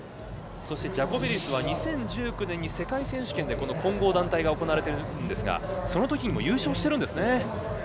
そしてジャコベリスは２０１９年に世界選手権で混合団体が行われていますがそのときにも優勝してるんですね。